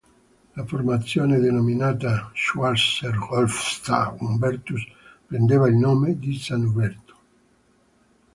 La formazione denominata Schwarzer Wolf St. Hubertus prendeva il nome da San Uberto.